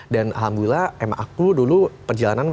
dan alhamdulillah emak aku dulu perjalanan